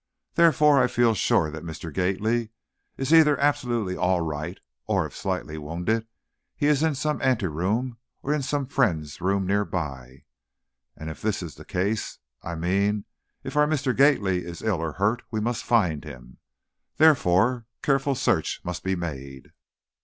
Therefore, I feel sure that Mr. Gately is either absolutely all right, or, if slightly wounded, he is in some anteroom or in some friend's room nearby. And, if this is the case, I mean, if our Mr. Gately is ill or hurt, we must find him. Therefore, careful search must be made."